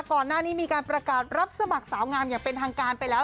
ก่อนหน้านี้มีการประกาศรับสมัครสาวงามอย่างเป็นทางการไปแล้ว